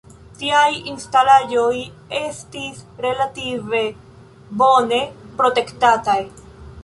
Tiaj instalaĵoj estis relative bone protektataj.